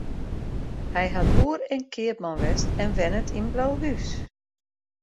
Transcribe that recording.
Hy hat boer en keapman west en wennet yn Blauhús.